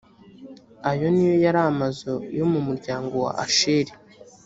ayo ni yo yari amazu yo mu muryango wa asheri.